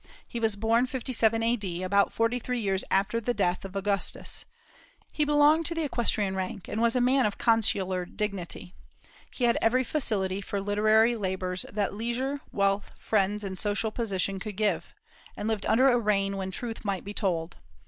He was born 57 A.D., about forty three years after the death of Augustus. He belonged to the equestrian rank, and was a man of consular dignity. He had every facility for literary labors that leisure, wealth, friends, and social position could give, and lived under a reign when truth might be told.